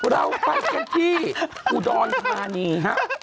เราไปกันที่อุดรธานีครับ